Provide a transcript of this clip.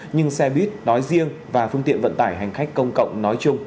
nhưng xe buýt nói riêng và phương tiện vận tải hành khách công cộng nói chung